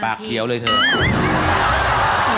เขียวเลยเถอะ